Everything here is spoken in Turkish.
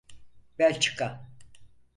Belçika…